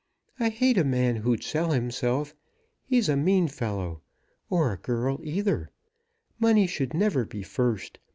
I hate a man who'd sell himself; he's a mean fellow; or a girl either. Money should never be first.